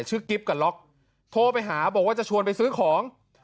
กิ๊บกับล็อกโทรไปหาบอกว่าจะชวนไปซื้อของ